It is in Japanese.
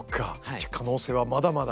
じゃあ可能性はまだまだ？